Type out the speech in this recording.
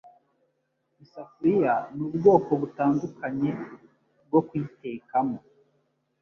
Isafuriya ni ubwoko butandukanye bwo kuyitekamo